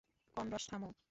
Connors, থামো!